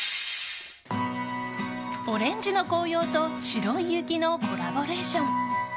オレンジの紅葉と白い雪のコラボレーション。